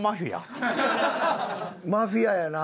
マフィアやな。